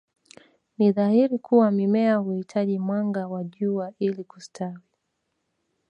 Ni dhahiri kuwa Mimea huitaji mwanga wa jua ili kustawi